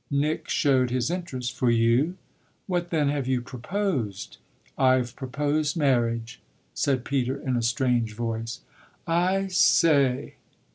Nick showed his interest. "For you? What then have you proposed?" "I've proposed marriage," said Peter in a strange voice. "I say